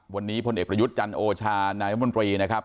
วันนี้พลเอกประยุทธ์จันโอชานายมนตรีนะครับ